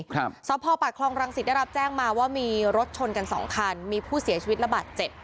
ครับสพปากคลองรังสิตได้รับแจ้งมาว่ามีรถชนกันสองคันมีผู้เสียชีวิตระบาดเจ็บ